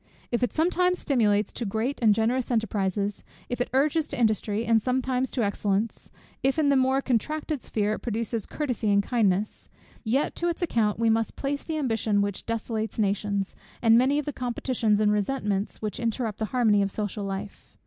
If it sometimes stimulates to great and generous enterprises, if it urges to industry, and sometimes to excellence, if in the more contracted sphere it produces courtesy and kindness; yet to its account we must place the ambition which desolates nations, and many of the competitions and resentments which interrupt the harmony of social life.